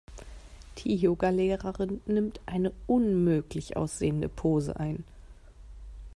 Die Yoga-Lehrerin nimmt eine unmöglich aussehende Pose ein.